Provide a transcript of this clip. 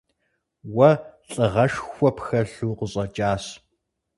Уэ лӀыгъэшхуэ пхэлъу укъыщӀэкӀащ.